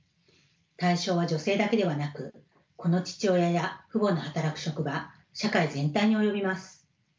対象は女性だけではなく子の父親や父母の働く職場社会全体に及びます。